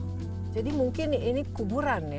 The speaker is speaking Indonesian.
oh jadi mungkin ini kuburan ya